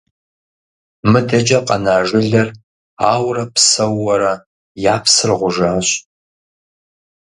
МыдэкӀэ къэна жылэр ауэрэ псэууэрэ, я псыр гъужащ.